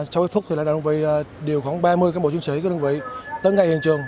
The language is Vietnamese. sau ít phút thì lãnh đạo đơn vị điều khoảng ba mươi các bộ chuyên sĩ của đơn vị tới ngay hiện trường